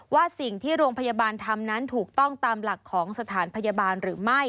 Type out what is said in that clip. ว่าสิ่งที่โรงพยาบาลทำนั้นถูกต้องตามหลักของสถานพยาบาลหรือไม่